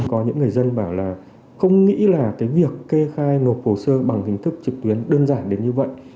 có những người dân bảo là không nghĩ là cái việc kê khai nộp hồ sơ bằng hình thức trực tuyến đơn giản đến như vậy